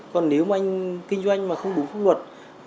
còn nếu anh kinh doanh mà không đúng pháp luật